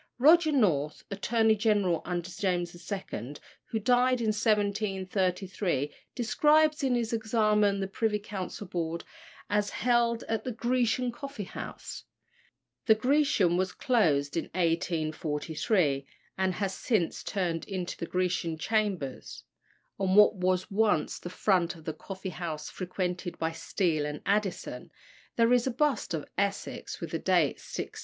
Roger North, Attorney General under James II., who died in 1733, describes in his Examen the Privy Council Board, as held at the Grecian coffee house. The Grecian was closed in 1843, and has been since turned into the Grecian Chambers. On what was once the front of the coffee house frequented by Steele and Addison, there is a bust of Essex, with the date 1676.